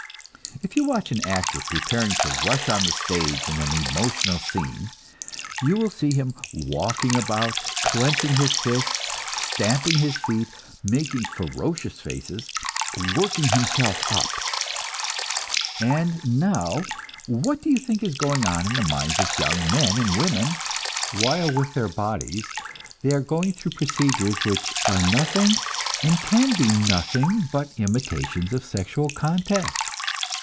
If you watch an actor preparing to rush on the stage in an emotional scene, you will see him walking about, clenching his fists, stamping his feet, making ferocious faces, "working himself up." And now, what do you think is going on in the minds of young men and women, while with their bodies they are going through procedures which are nothing and can be nothing but imitations of sexual contact?